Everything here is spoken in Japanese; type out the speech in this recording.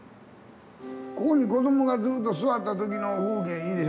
ここに子どもがずっと座った時の風景いいでしょ。